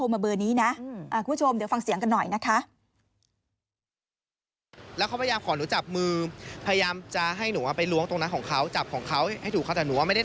เผื่อน้องชอบเผื่อน้องเปลี่ยนใจ